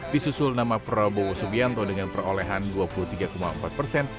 disusul nama prabowo subianto dengan perolehan dua puluh tiga empat persen